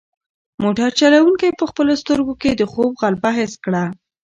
موټر چلونکی په خپلو سترګو کې د خوب غلبه حس کړه.